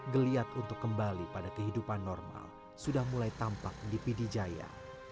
geliat untuk kembali pada kehidupan normal sudah mulai tampak di pidijaya